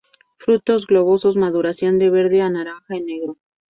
Frutos globosos, maduración de verde a naranja a negro.